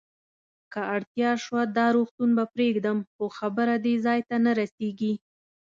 که اړتیا شوه، دا روغتون به پرېږدم، خو خبره دې ځای ته نه رسېږي.